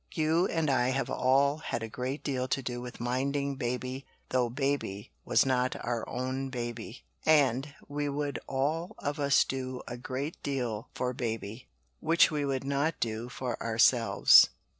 You and I have all had a great deal to do with 'minding baby,' though 'baby' was not our own baby. And we would all of us do a great deal for baby, which we would not do for ourselves."